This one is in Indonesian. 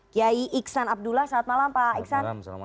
kiai iksan abdullah selamat malam pak iksan